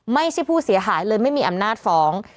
ไม่ใช่ผู้เสียหายเลยไม่มีอำนาจฟ้อง